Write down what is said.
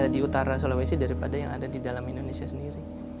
di utara sulawesi daripada yang ada di dalam indonesia sendiri